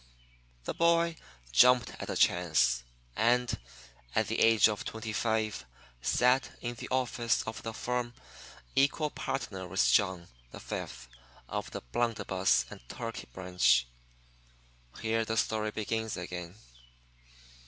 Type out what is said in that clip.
The boy jumped at the chance; and, at the age of twenty five, sat in the office of the firm equal partner with John, the Fifth, of the blunderbuss and turkey branch. Here the story begins again.